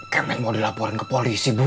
kayak med mau dilaporin ke polisi bu